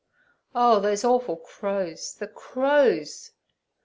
Oh, those awful crows. The crows!